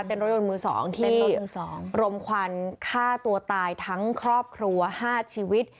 เป็นรถยนต์มือ๒ที่รมควันฆ่าตัวตายทั้งครอบครัว๕ชีวิต